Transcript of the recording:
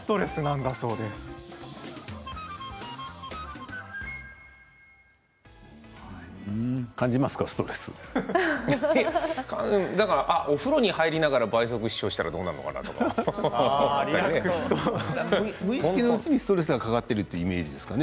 だからお風呂に入りながら倍速視聴をしたら無意識のうちにストレスがかかっているイメージですかね。